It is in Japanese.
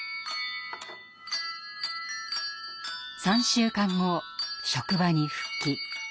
３週間後職場に復帰。